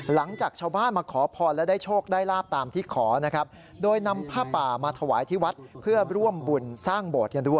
หลังจากชาวบ้านมาขอพรและได้โชคได้ราบตามที่ขอนะครับ